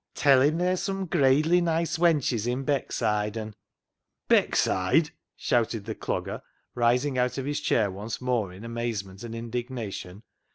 " Tell him theer's sum gradely nice wenches i' Beckside, an' "—" Beckside 1 " shouted the Clogger, rising out of his chair once more in amazement and indignation.